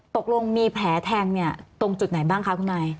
ตกลงมีแผลแทงเนี่ยตรงจุดไหนบ้างคะคุณนาย